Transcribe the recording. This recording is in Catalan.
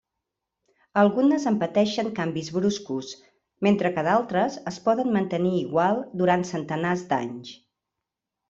Algunes en pateixen canvis bruscos, mentre que d'altres es poden mantenir igual durant centenars d'anys.